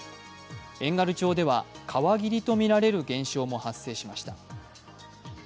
遠軽町では、川霧と見られる現象も発生しました。